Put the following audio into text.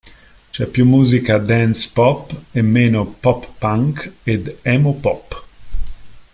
C'è più musica dance pop e meno pop punk ed emo-pop.